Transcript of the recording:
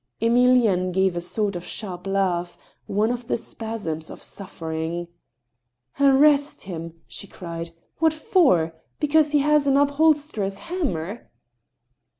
Emilienne gave a sort of sharp laugh, one of the spasms of suf fering. "Arrest him!" she cried. "W^hat for? Because he has an upholsterer's hammer